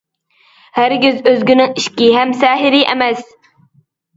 ھەرگىز ئۆزگىنىڭ ئىشىكى ھەم سەھىرى ئەمەس!